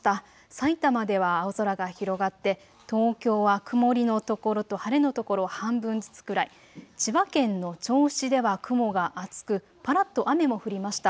さいたまでは青空が広がって東京は曇りの所と晴れの所、半分ずつくらい、千葉県の銚子では雲が厚くぱらっと雨も降りました。